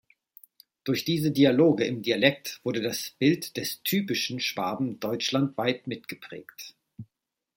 Durch diese Dialoge im Dialekt wurde das Bild des "typischen" Schwaben deutschlandweit mitgeprägt.